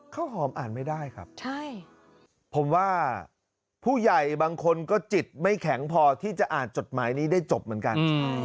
ข้าวหอมอ่านไม่ได้ครับผมว่าผู้ใหญ่บางคนก็จิตไม่แข็งพอที่จะอ่านจดหมายนี้ได้จบเหมือนกัน